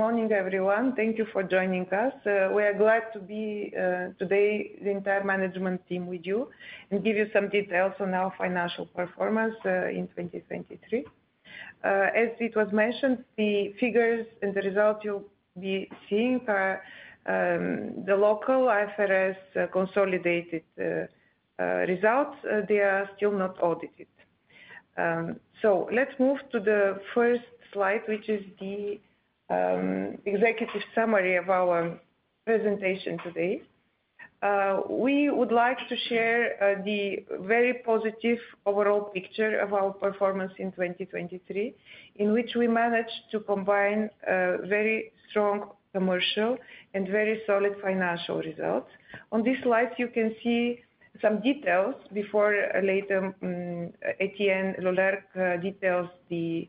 Good morning, everyone. Thank you for joining us. We are glad to be today, the entire management team with you, and give you some details on our financial performance in 2023. As it was mentioned, the figures and the results you'll be seeing are the local IFRS consolidated results. They are still not audited. So let's move to the first slide, which is the executive summary of our presentation today. We would like to share the very positive overall picture of our performance in 2023, in which we managed to combine very strong commercial and very solid financial results. On this slide, you can see some details before later Etienne Loulergue details the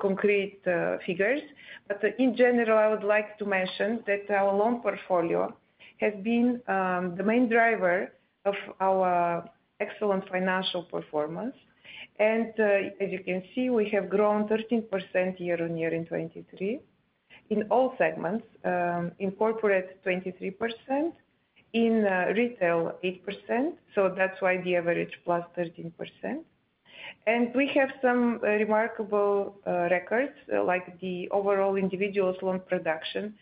concrete figures. But in general, I would like to mention that our loan portfolio has been the main driver of our excellent financial performance. And as you can see, we have grown 13% year-on-year in 2023 in all segments. In corporate, 23%, in retail, 8%, so that's why the average plus 13%. And we have some remarkable records, like the overall individuals loan production,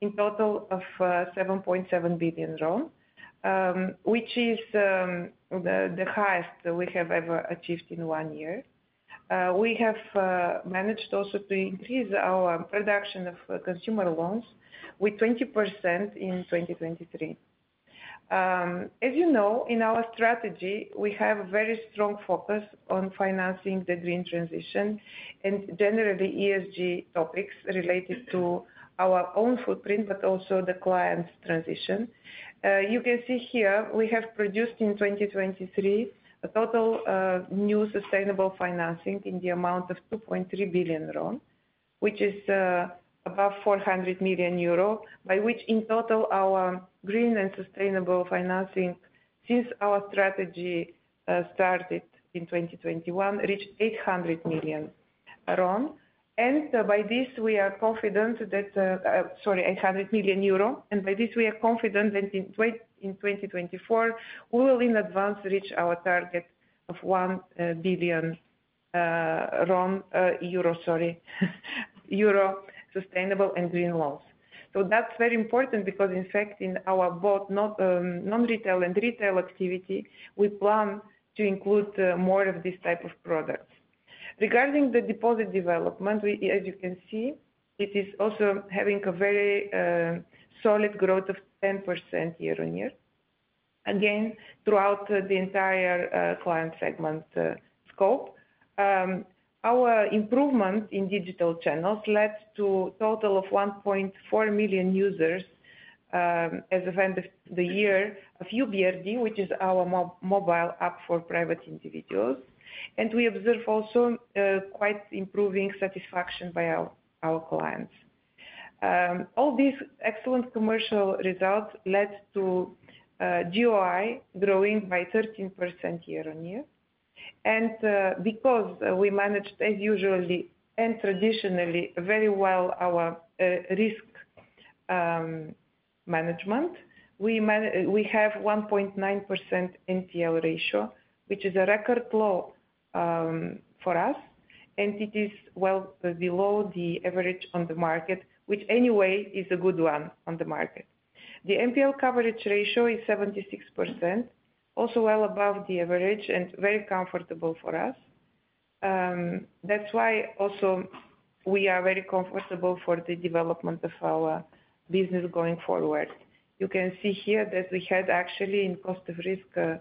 in total of RON 7.7 billion, which is the highest we have ever achieved in one year. We have managed also to increase our production of consumer loans with 20% in 2023. As you know, in our strategy, we have a very strong focus on financing the green transition and generally, ESG topics related to our own footprint, but also the client's transition. You can see here, we have produced in 2023, a total of new sustainable financing in the amount of RON 2.3 billion, which is above 400 million euro, by which in total, our green and sustainable financing since our strategy started in 2021, reached RON 800 million. And by this, we are confident that, sorry, 800 million euro. And by this, we are confident that in 2024, we will in advance reach our target of RON 1 billion, EUR, sorry, euro, sustainable and green loans. So that's very important because in fact, in our both non non-retail and retail activity, we plan to include more of this type of products. Regarding the deposit development, we, as you can see, it is also having a very solid growth of 10% year-on-year. Again, throughout the entire client segment scope. Our improvement in digital channels led to total of 1.4 million users, as of end of the year, of YOU BRD, which is our mobile app for private individuals. And we observe also quite improving satisfaction by our clients. All these excellent commercial results led to GOI growing by 13% year-on-year. And because we managed as usually and traditionally very well our risk management, we have 1.9% NPL ratio, which is a record low for us, and it is well below the average on the market, which anyway is a good one on the market. The NPL coverage ratio is 76%, also well above the average and very comfortable for us. That's why also we are very comfortable for the development of our business going forward. You can see here that we had actually in cost of risk, a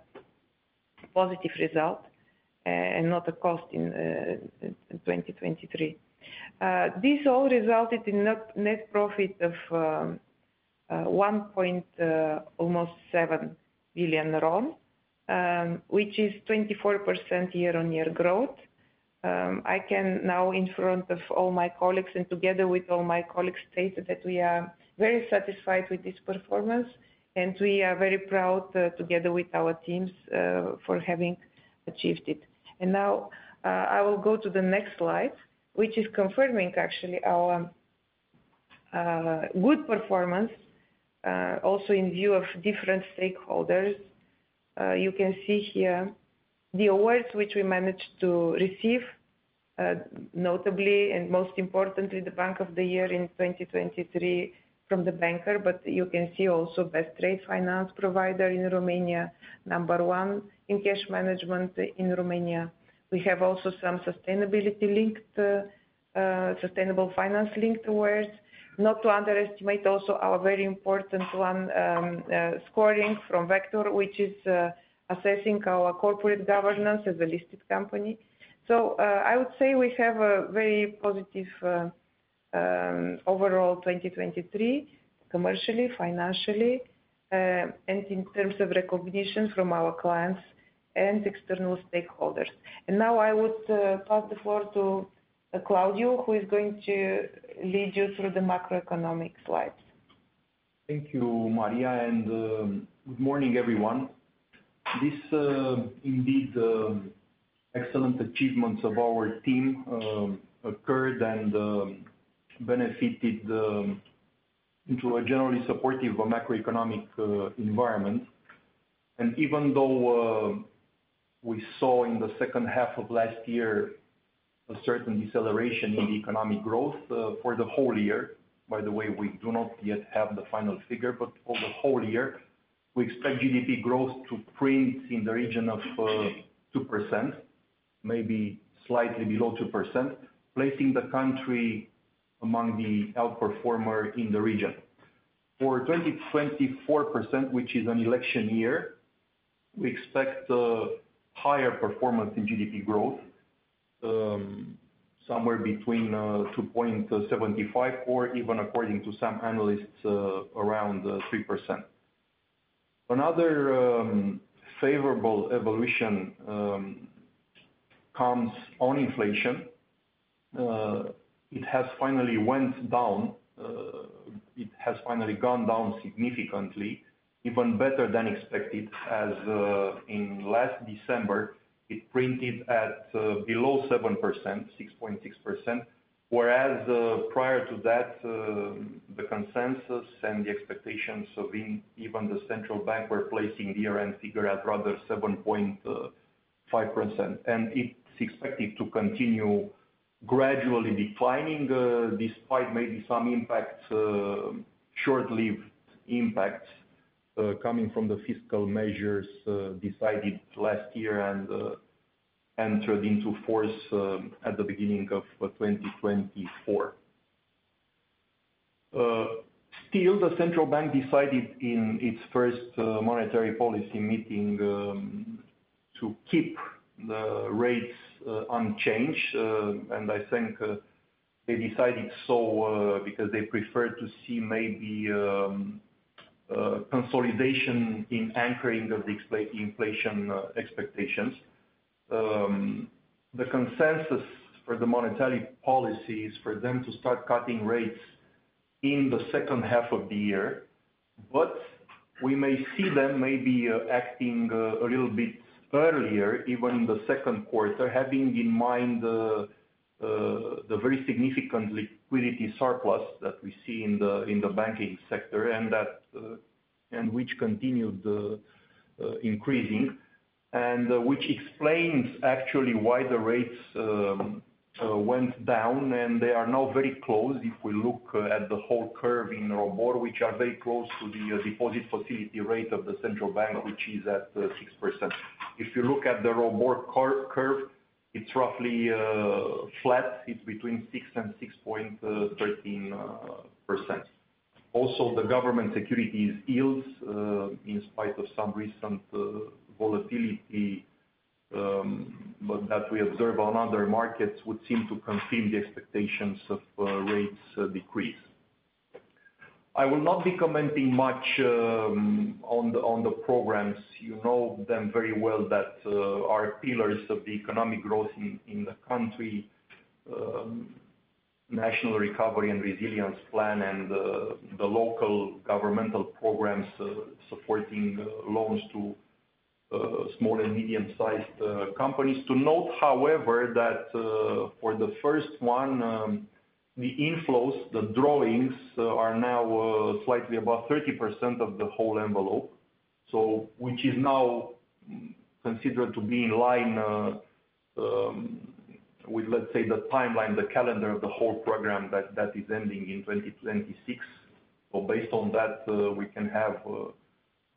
positive result, and not a cost in 2023. This all resulted in net profit of almost RON 1.7 billion, which is 24% year-on-year growth. I can now, in front of all my colleagues and together with all my colleagues, state that we are very satisfied with this performance, and we are very proud, together with our teams, for having achieved it. And now, I will go to the next slide, which is confirming actually our good performance, also in view of different stakeholders. You can see here the awards which we managed to receive, notably and most importantly, the Bank of the Year in 2023 from The Banker, but you can see also, Best Trade Finance Provider in Romania, number one in cash management in Romania. We have also some sustainability-linked sustainable finance link towards. Not to underestimate also our very important one, scoring from Vektor, which is assessing our corporate governance as a listed company. So I would say we have a very positive overall 2023, commercially, financially, and in terms of recognition from our clients and external stakeholders. And now I would pass the floor to Claudiu, who is going to lead you through the macroeconomic slides.... Thank you, Maria, and, good morning, everyone. This, indeed, excellent achievements of our team, occurred and, benefited, into a generally supportive of macroeconomic, environment. And even though, we saw in the second half of last year, a certain deceleration in economic growth, for the whole year, by the way, we do not yet have the final figure, but for the whole year, we expect GDP growth to print in the region of, 2%, maybe slightly below 2%, placing the country among the outperformer in the region. For 2024 percent, which is an election year, we expect a higher performance in GDP growth, somewhere between, 2.75 or even according to some analysts, around, 3%. Another, favorable evolution, comes on inflation. It has finally went down, it has finally gone down significantly, even better than expected, as in last December, it printed at below 7%, 6.6%, whereas prior to that, the consensus and the expectations of in even the central bank were placing the year-end figure at rather 7.5%. It's expected to continue gradually declining despite maybe some impact, short-lived impact, coming from the fiscal measures decided last year and entered into force at the beginning of 2024. Still, the central bank decided in its first monetary policy meeting to keep the rates unchanged. I think they decided so because they preferred to see maybe consolidation in anchoring of the inflation expectations. The consensus for the monetary policy is for them to start cutting rates in the second half of the year, but we may see them maybe acting a little bit earlier, even in the second quarter, having in mind the very significant liquidity surplus that we see in the banking sector, and that and which continued increasing, and which explains actually why the rates went down, and they are now very close if we look at the whole curve in ROBOR, which are very close to the deposit facility rate of the central bank, which is at 6%. If you look at the ROBOR curve, it's roughly flat. It's between 6% and 6.13%. Also, the government securities yields, in spite of some recent volatility, but that we observe on other markets, would seem to confirm the expectations of rates decrease. I will not be commenting much on the programs. You know them very well, that are pillars of the economic growth in the country, National Recovery and Resilience Plan and the local governmental programs supporting loans to small and medium-sized companies. To note, however, that for the first one, the inflows, the drawings, are now slightly above 30% of the whole envelope, so which is now considered to be in line with, let's say, the timeline, the calendar of the whole program that is ending in 2026. So based on that, we can have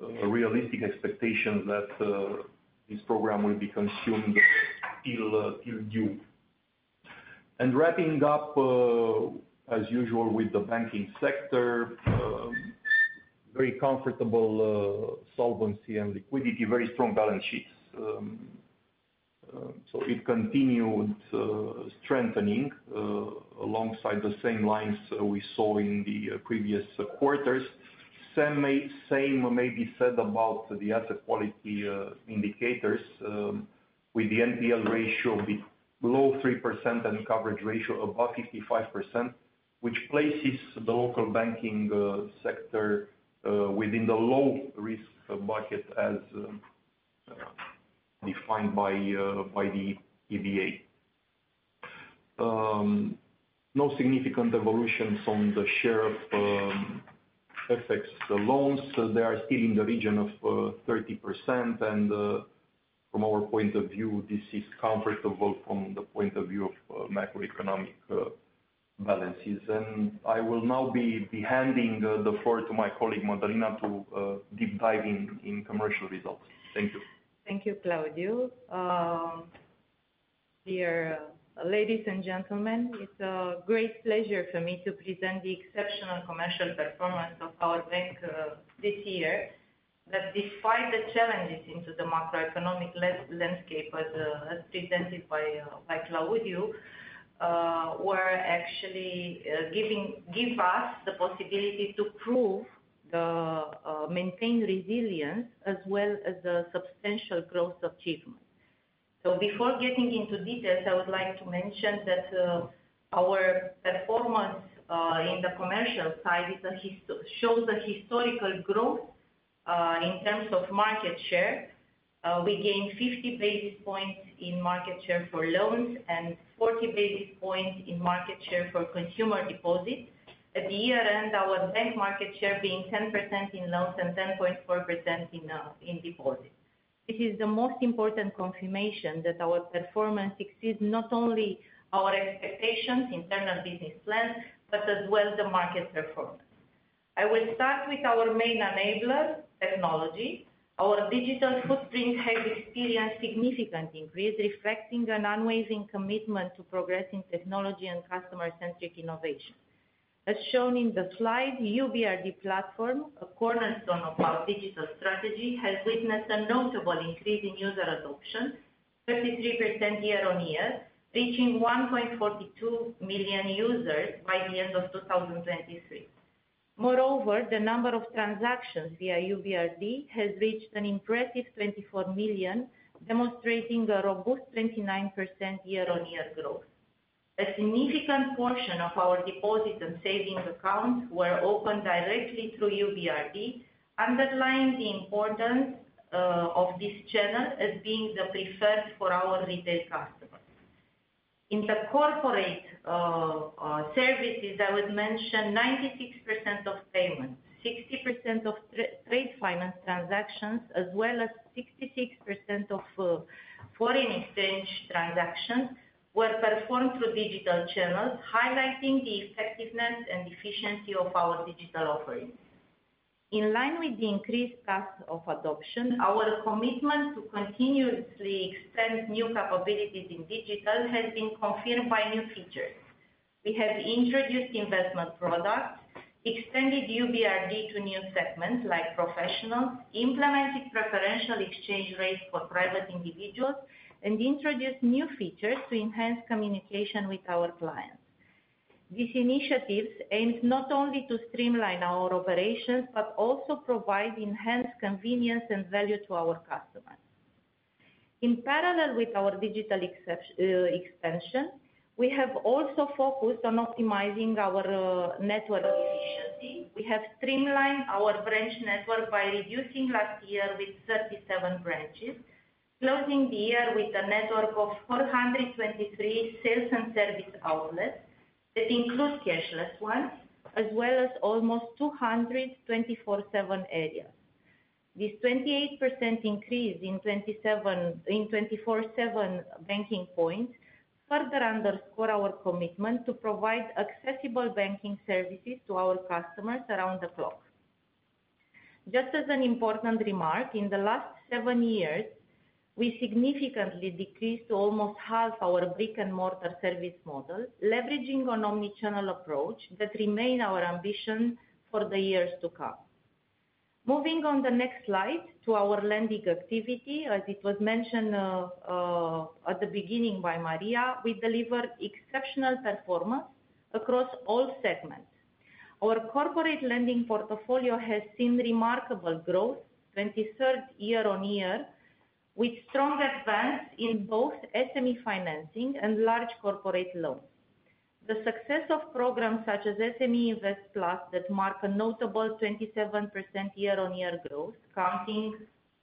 a realistic expectation that this program will be consumed till due. And wrapping up as usual with the banking sector, very comfortable solvency and liquidity, very strong balance sheets. So it continued strengthening alongside the same lines we saw in the previous quarters. Same may be said about the asset quality indicators, with the NPL ratio be below 3% and coverage ratio above 55%, which places the local banking sector within the low-risk bracket, as defined by the EBA. No significant evolutions on the share of FX loans. They are still in the region of 30%, and from our point of view, this is comfortable from the point of view of macroeconomic balances. And I will now be handing the floor to my colleague, Mădălina, to deep dive in commercial results. Thank you. Thank you, Claudiu. Dear ladies and gentlemen, it's a great pleasure for me to present the exceptional commercial performance of our bank this year. That despite the challenges in the macroeconomic landscape, as presented by Claudiu, were actually giving us the possibility to prove and maintain resilience as well as the substantial growth achievement,.So before getting into details, I would like to mention that our performance in the commercial side shows a historical growth in terms of market share. We gained 50 basis points in market share for loans and 40 basis points in market share for consumer deposits. At the year-end, our bank market share being 10% in loans and 10.4% in deposits. This is the most important confirmation that our performance exceeds not only our expectations, internal business plans, but as well the market performance. I will start with our main enabler, technology. Our digital footprint has experienced significant increase, reflecting an unwavering commitment to progressing technology and customer-centric innovation. As shown in the slide, the YOU BRD platform, a cornerstone of our digital strategy, has witnessed a notable increase in user adoption, 33% year-on-year, reaching 1.42 million users by the end of 2023. Moreover, the number of transactions via YOU BRD has reached an impressive 24 million, demonstrating a robust 29% year-on-year growth. A significant portion of our deposits and savings accounts were opened directly through YOU BRD, underlying the importance of this channel as being the preferred for our retail customers. In the corporate services, I would mention 96% of payments, 60% of trade finance transactions, as well as 66% of foreign exchange transactions, were performed through digital channels, highlighting the effectiveness and efficiency of our digital offerings. In line with the increased cost of adoption, our commitment to continuously extend new capabilities in digital has been confirmed by new features. We have introduced investment products, extended YOU BRD to new segments like professionals, implemented preferential exchange rates for private individuals, and introduced new features to enhance communication with our clients. These initiatives aims not only to streamline our operations, but also provide enhanced convenience and value to our customers. In parallel with our digital expansion, we have also focused on optimizing our network efficiency. We have streamlined our branch network by reducing last year with 37 branches, closing the year with a network of 423 sales and service outlets that include cashless ones, as well as almost 200, 24/7 areas. This 28% increase in 24/7 banking points further underscore our commitment to provide accessible banking services to our customers around the clock. Just as an important remark, in the last seven years, we significantly decreased to almost half our brick-and-mortar service model, leveraging an omni-channel approach that remain our ambition for the years to come. Moving on the next slide to our lending activity, as it was mentioned at the beginning by Maria, we delivered exceptional performance across all segments. Our corporate lending portfolio has seen remarkable growth, 23% year-on-year, with strong advance in both SME financing and large corporate loans. The success of programs such as SME Invest Plus, that mark a notable 27% year-on-year growth, counting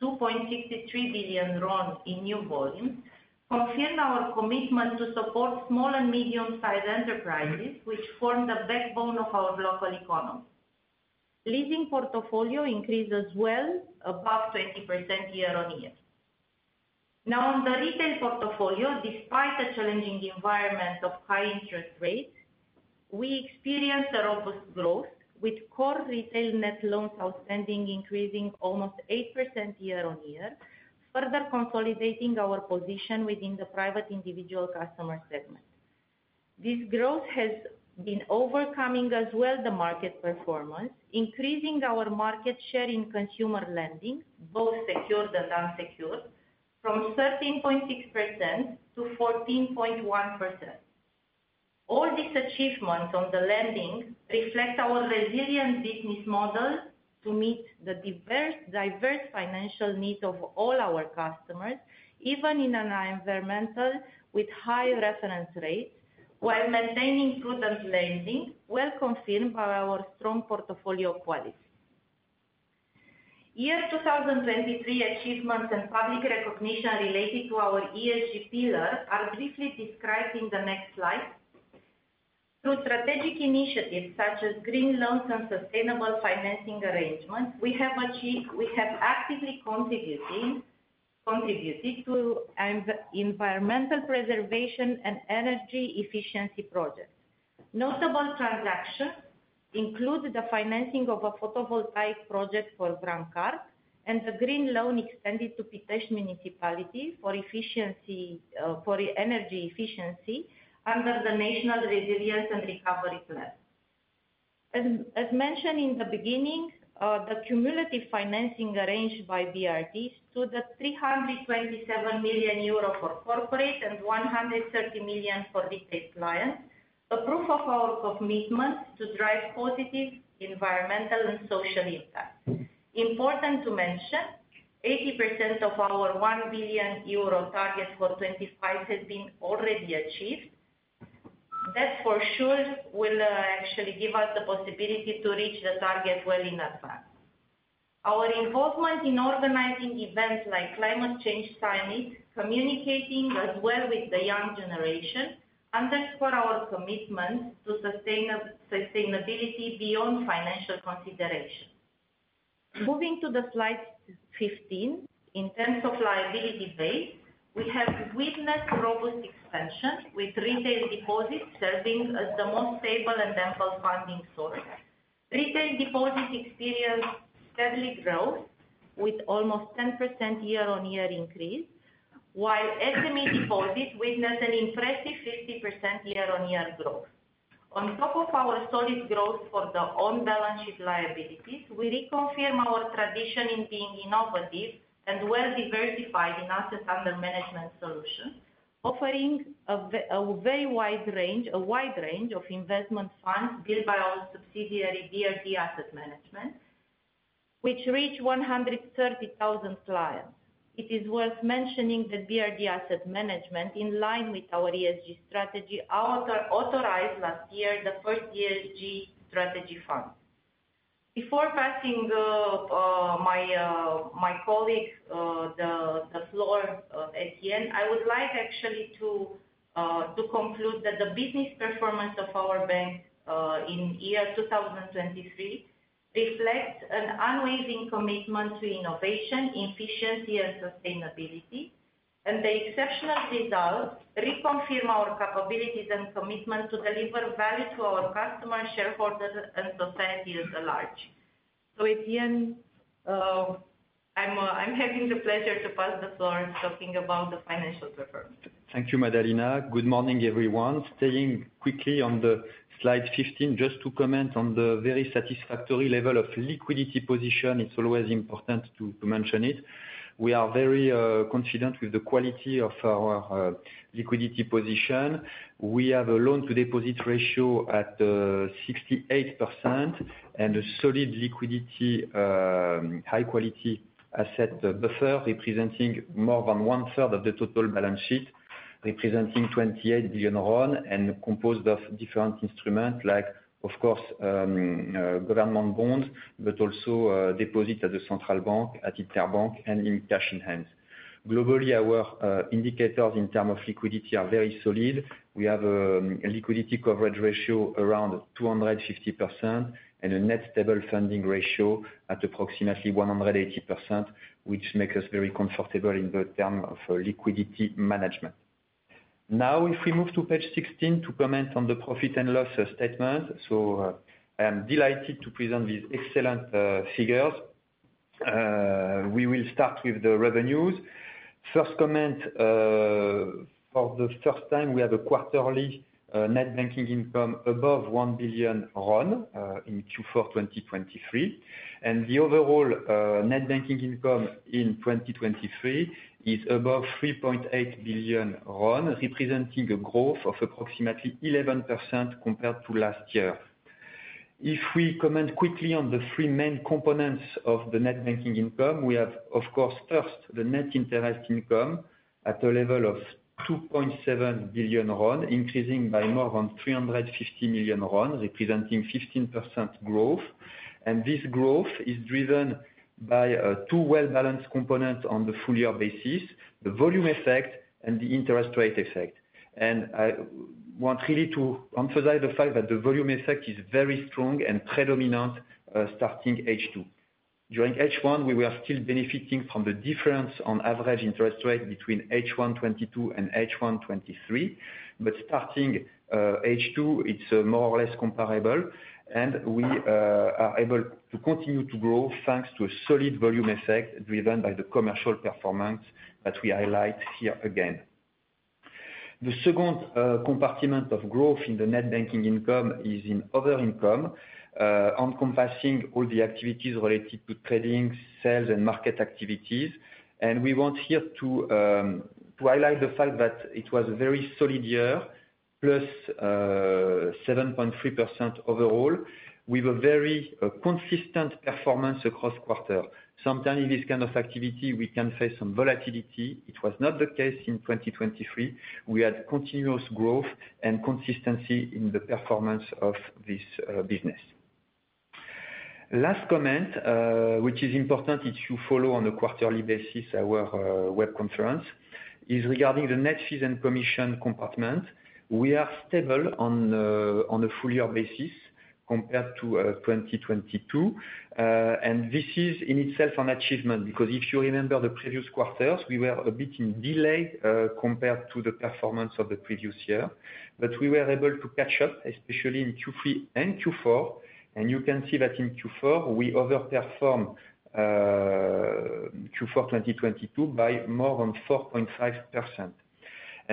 RON 2.63 billion in new volumes, confirm our commitment to support small and medium-sized enterprises, which form the backbone of our local economy. Leasing portfolio increased as well, above 20% year-on-year. Now, on the retail portfolio, despite a challenging environment of high interest rates, we experienced a robust growth, with core retail net loans outstanding, increasing almost 8% year-on-year, further consolidating our position within the private individual customer segment. This growth has been overcoming as well, the market performance, increasing our market share in consumer lending, both secured and unsecured, from 13.6%-14.1%. All these achievements on the lending reflect our resilient business model to meet the diverse, diverse financial needs of all our customers, even in an environment with high reference rates, while maintaining prudent lending, well confirmed by our strong portfolio quality. 2023 achievements and public recognition related to our ESG pillar are briefly described in the next slide. Through strategic initiatives such as green loans and sustainable financing arrangements, we have achieved we have actively contributing, contributed to environmental preservation and energy efficiency projects. Notable transactions include the financing of a photovoltaic project for Gram Car and the green loan extended to Pitești Municipality for efficiency, for energy efficiency under the National Resilience and Recovery Plan. As mentioned in the beginning, the cumulative financing arranged by BRD stood at 327 million euro for corporate and 130 million for retail clients, a proof of our commitment to drive positive environmental and social impact. Important to mention, 80% of our 1 billion euro target for 2025 has been already achieved, That for sure will actually give us the possibility to reach the target well in advance. Our involvement in organizing events like Climate Change Summit, communicating as well with the young generation, underscore our commitment to sustainability beyond financial consideration. Moving to the slide 15, in terms of liability base, we have witnessed robust expansion, with retail deposits serving as the most stable and ample funding source. Retail deposits experienced steady growth, with almost 10% year-on-year increase, while SME deposits witnessed an impressive 50% year-on-year growth. On top of our solid growth for the on-balance sheet liabilities, we reconfirm our tradition in being innovative and well-diversified in assets under management solutions, offering a very wide range of investment funds built by our subsidiary, BRD Asset Management, which reached 130,000 clients. It is worth mentioning the BRD Asset Management, in line with our ESG strategy, authorized last year, the first ESG strategy fund. Before passing the, my colleague the floor, Etienne, I would like actually to conclude that the business performance of our bank in year 2023 reflects an unwavering commitment to innovation, efficiency, and sustainability. The exceptional results reconfirm our capabilities and commitment to deliver value to our customers, shareholders, and society at large. So Etienne, I'm having the pleasure to pass the floor in talking about the financial performance. Thank you, Mădălina. Good morning, everyone. Staying quickly on the slide 15, just to comment on the very satisfactory level of liquidity position, it's always important to, to mention it. We are very, confident with the quality of our, liquidity position. We have a loan-to-deposit ratio at, 68%, and a solid liquidity, high quality asset buffer, representing more than one third of the total balance sheet, representing RON 28 billion, and composed of different instruments, like, of course, government bonds, but also, deposits at the central bank, at Interbank, and in cash in hand. Globally, our, indicators in term of liquidity are very solid. We have, a liquidity coverage ratio around 250%, and a net stable funding ratio at approximately 180%, which make us very comfortable in the term of liquidity management. Now, if we move to page 16 to comment on the profit and loss statement, so, I am delighted to present these excellent figures. We will start with the revenues. First comment, for the first time, we have a quarterly net banking income above RON 1 billion in Q4 2023. And the overall net banking income in 2023 is above RON 3.8 billion, representing a growth of approximately 11% compared to last year. If we comment quickly on the three main components of the net banking income, we have, of course, first, the net interest income at a level of RON 2.7 billion, increasing by more than RON 350 million, representing 15% growth. This growth is driven by two well-balanced components on the full year basis, the volume effect and the interest rate effect. I want really to emphasize the fact that the volume effect is very strong and predominant starting H2. During H1, we were still benefiting from the difference on average interest rate between H1 2022 and H1 2023. But starting H2, it's more or less comparable, and we are able to continue to grow, thanks to a solid volume effect driven by the commercial performance that we highlight here again. The second compartment of growth in the Net Banking Income is in other income, encompassing all the activities related to trading, sales, and market activities. We want here to highlight the fact that it was a very solid year, plus 7.3% overall, with a very consistent performance across quarter. Sometimes in this kind of activity, we can face some volatility. It was not the case in 2023. We had continuous growth and consistency in the performance of this business. Last comment, which is important, if you follow on a quarterly basis, our web conference, is regarding the net fees and commission compartment. We are stable on a full year basis compared to 2022. And this is in itself an achievement, because if you remember the previous quarters, we were a bit in delay compared to the performance of the previous year. But we were able to catch up, especially in Q3 and Q4, and you can see that in Q4, we overperformed Q4 2022 by more than 4.5%. And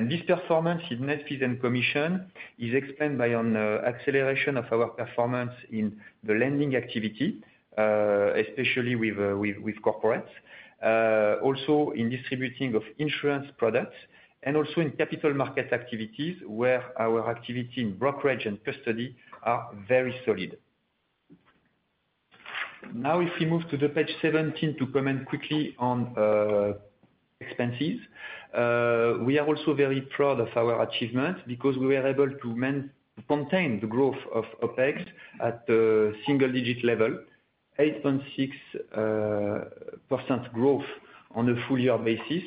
this performance in net fees and commission is explained by an acceleration of our performance in the lending activity, especially with corporates. Also in distributing of insurance products, and also in capital market activities, where our activity in brokerage and custody are very solid. Now, if we move to the page 17 to comment quickly on expenses. We are also very proud of our achievement, because we were able to maintain the growth of OpEx at the single digit level, 8.6% growth on a full-year basis,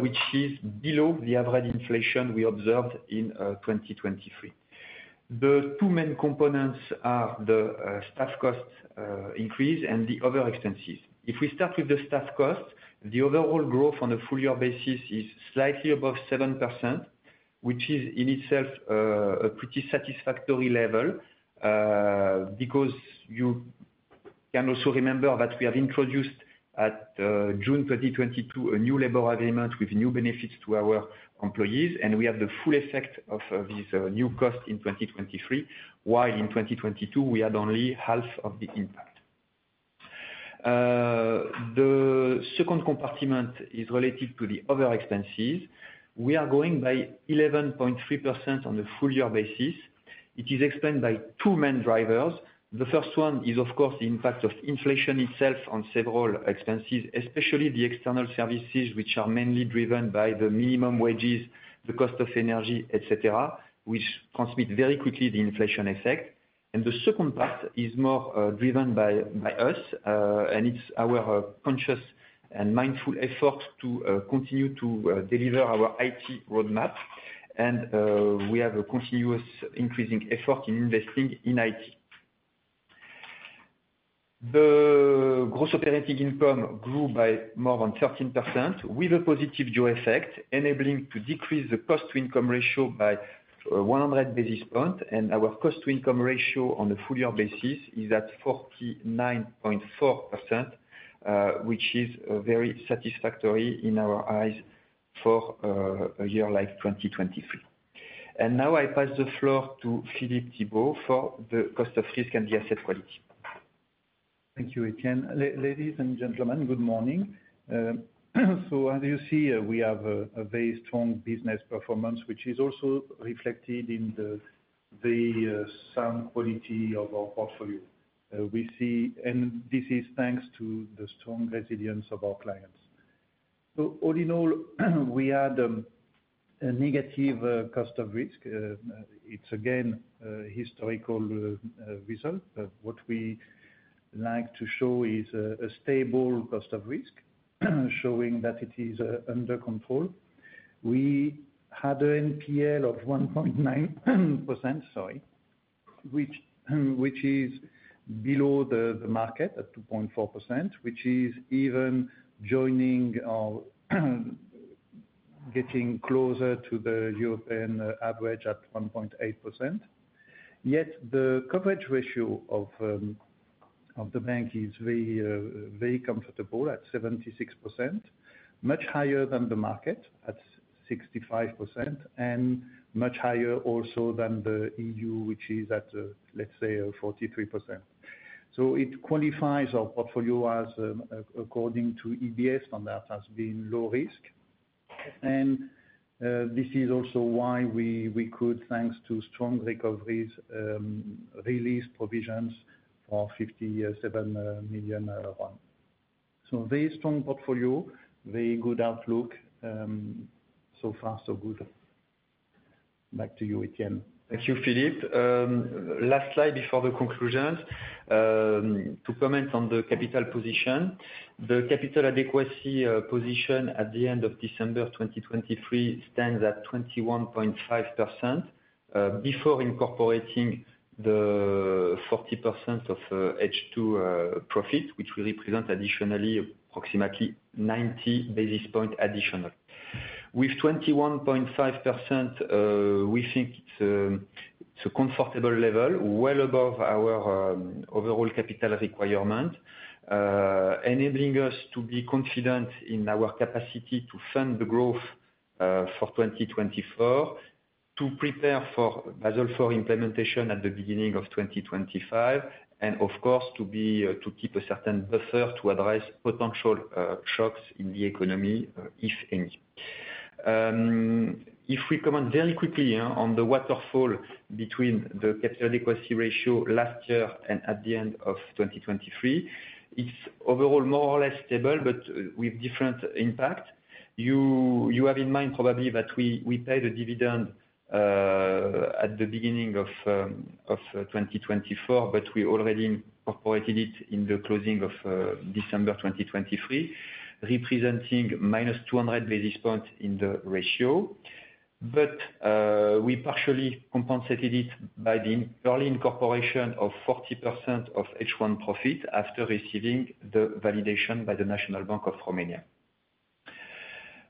which is below the average inflation we observed in 2023. The two main components are the staff cost increase, and the other expenses. If we start with the staff cost, the overall growth on a full-year basis is slightly above 7%, which is in itself a pretty satisfactory level. Because you can also remember that we have introduced at June 2022, a new labor agreement with new benefits to our employees, and we have the full effect of this new cost in 2023. While in 2022, we had only half of the impact. The second compartment is related to the other expenses. We are going by 11.3% on a full-year basis. It is explained by two main drivers. The first one is, of course, the impact of inflation itself on several expenses, especially the external services, which are mainly driven by the minimum wages, the cost of energy, et cetera, which transmit very quickly the inflation effect. And the second part is more, driven by, by us, and it's our, conscious and mindful effort to, continue to, deliver our IT roadmap. And, we have a continuous increasing effort in investing in IT. The gross operating income grew by more than 13% with a positive dual effect, enabling to decrease the cost-to-income ratio by 100 basis points. And our cost-to-income ratio on a full-year basis is at 49.4%, which is, very satisfactory in our eyes for, a year like 2023. Now, I pass the floor to Philippe Thibaud for the cost of risk and the asset quality. Thank you, Etienne. Ladies and gentlemen, good morning. So as you see, we have a very strong business performance, which is also reflected in the sound quality of our portfolio. And this is thanks to the strong resilience of our clients. So all in all, we had a negative cost of risk. It's again, a historical result, but what we like to show is a stable cost of risk, showing that it is under control. We had a NPL of 1.9%, sorry, which is below the market at 2.4%, which is even joining or getting closer to the European average at 1.8%. Yet, the coverage ratio of the bank is very very comfortable at 76%, much higher than the market, at 65%, and much higher also than the EU, which is at, let's say 43%. So it qualifies our portfolio as, according to EBA standard, as being low risk. And this is also why we could, thanks to strong recoveries, release provisions for RON 57 million. So very strong portfolio, very good outlook. So far, so good. Back to you, Etienne. Thank you, Philippe. Last slide before the conclusions. To comment on the capital position, the capital adequacy position at the end of December 2023 stands at 21.5%, before incorporating the 40% of H2 profit, which will represent additionally approximately 90 basis points additional. With 21.5%, we think it's a comfortable level, well above our overall capital requirement. Enabling us to be confident in our capacity to fund the growth for 2024, to prepare for Basel IV implementation at the beginning of 2025, and of course, to keep a certain buffer to address potential shocks in the economy, if any. If we comment very quickly on the waterfall between the capital adequacy ratio last year, and at the end of 2023, it's overall more or less stable, but with different impact. You have in mind probably that we paid a dividend at the beginning of 2024, but we already incorporated it in the closing of December 2023, representing -200 basis points in the ratio. But we partially compensated it by the early incorporation of 40% of H1 profit, after receiving the validation by the National Bank of Romania.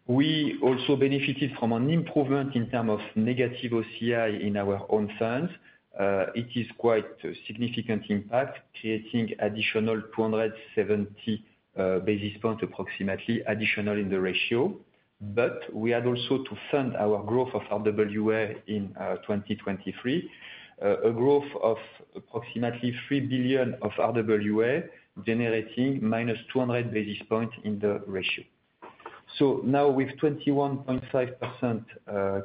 We also benefited from an improvement in terms of negative OCI in our own funds. It is quite a significant impact, creating additional 270 basis points, approximately, additional in the ratio. But we had also to fund our growth of RWA in 2023, a growth of approximately 3 billion of RWA, generating -200 basis points in the ratio. So now, with 21.5%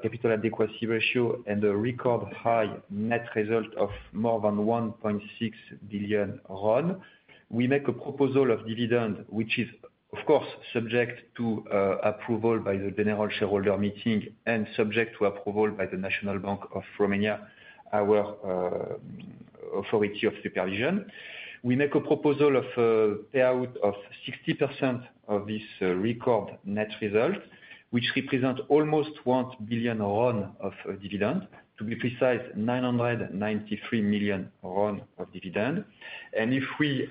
capital adequacy ratio, and a record high net result of more than RON 1.6 billion, we make a proposal of dividend, which is, of course, subject to approval by the general shareholder meeting, and subject to approval by the National Bank of Romania, our authority of supervision. We make a proposal of payout of 60% of this record net result, which represent almost RON 1 billion of dividend. To be precise, RON 993 million of dividend. And if we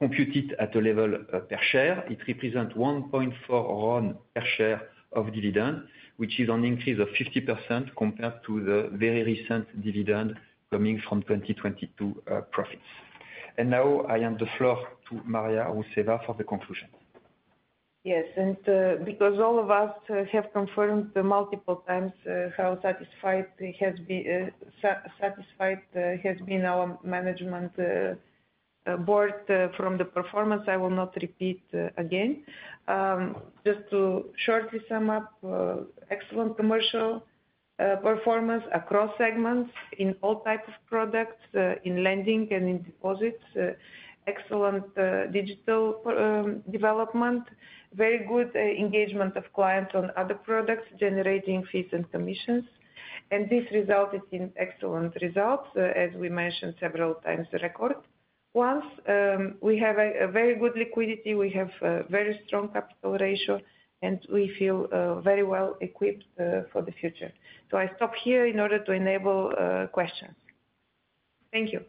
compute it at a level per share, it represent RON 1.4 per share of dividend, which is an increase of 50% compared to the very recent dividend coming from 2022 profits. And now, I hand the floor to Maria Rousseva for the conclusion. Yes, and because all of us have confirmed multiple times how satisfied it has been, satisfied has been our management board from the performance, I will not repeat again. Just to shortly sum up, excellent commercial performance across segments in all types of products in lending and in deposits. Excellent digital development, very good engagement of clients on other products, generating fees and commissions. And this resulted in excellent results as we mentioned several times, record ones. We have a very good liquidity, we have a very strong capital ratio, and we feel very well-equipped for the future. So I stop here in order to enable questions. Thank you.